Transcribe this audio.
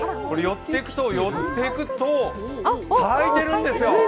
寄っていくと、咲いてるんですよ。